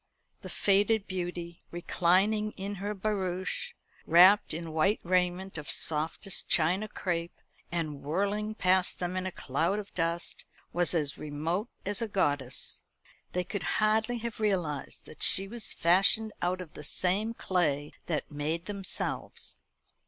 The faded beauty, reclining in her barouche, wrapped in white raiment of softest China crape, and whirling past them in a cloud of dust, was as remote as a goddess. They could hardly have realised that she was fashioned out of the same clay that made themselves.